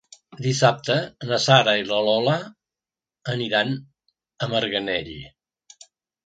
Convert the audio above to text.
Dissabte na Sara i na Lola aniran a Marganell.